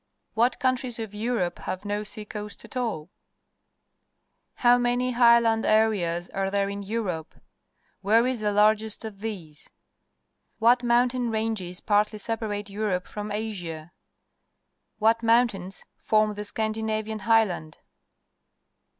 What countries of Europe have no sea coast at all ?/ How many highland areas are there in Europe ? Where is the largest of these? What mountain ranges partly separate Europe from Asia ? What mountains form the Scandinavian Highland